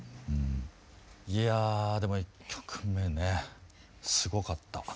いやぁでも１曲目ねすごかったわ。